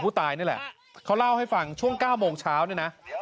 ผู้ตายนี่แหละเขาเล่าให้ฟังช่วง๙โมงเช้าเนี่ยนะ